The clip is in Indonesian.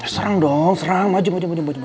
serang dong serang majem majem majem